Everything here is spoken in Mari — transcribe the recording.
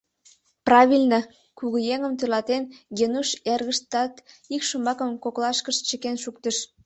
— Правильно! — кугыеҥым тӧрлатен, Генуш эргыштат ик шомакым коклашкышт чыкен шуктыш.